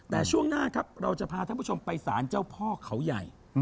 แต่ช่วงหน้าครับเราก็จะพาทุกมไปศาลเจ้าพ่อเขาใหญ่